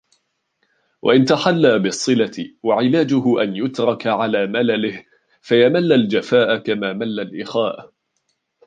وَإِنْ تَحَلَّى بِالصِّلَةِ وَعِلَاجُهُ أَنْ يُتْرَكَ عَلَى مَلَلِهِ فَيَمَلَّ الْجَفَاءَ كَمَا مَلَّ الْإِخَاءَ